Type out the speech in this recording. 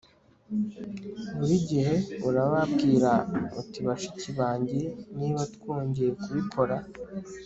Buri gihe urababwira uti Bashiki banjye niba twongeye kubikora